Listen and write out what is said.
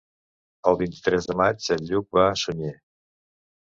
El vint-i-tres de maig en Lluc va a Sunyer.